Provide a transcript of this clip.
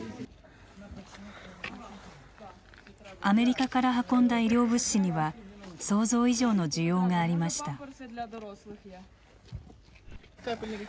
アメリカから運んだ医療物資には想像以上の需要がありました。